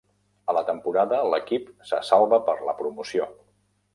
A la temporada l'equip se salva per la promoció.